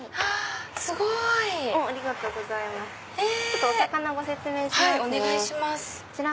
すごい！お魚ご説明しますね。